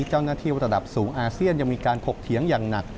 เจ้าหน้าที่ระดับสูงอาเซียนยังมีการถกเถียงอย่างหนัก